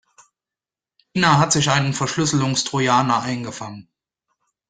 Ina hat sich einen Verschlüsselungstrojaner eingefangen.